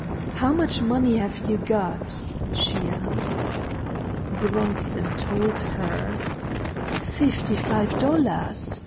"How much money have you got?" she asked. Bronson told her. "Fifty five dollars!"